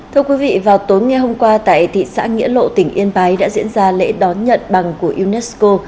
thưa quý vị vào tối ngày hôm qua tại thị xã nghĩa lộ tỉnh yên bái đã diễn ra lễ đón nhận bằng của unesco